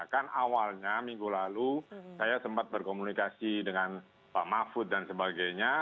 kan awalnya minggu lalu saya sempat berkomunikasi dengan pak mahfud dan sebagainya